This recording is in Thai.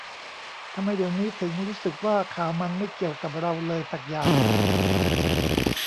ทำไมเดี๋ยวนี้ถึงรู้สึกว่าข่าวมันไม่เกี่ยวกับเราเลยสักอย่าง